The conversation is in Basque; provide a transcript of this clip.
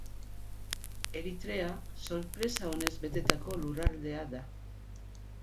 Eritrea sorpresa onez betetako lurraldea da.